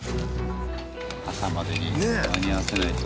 朝までに間に合わせないと。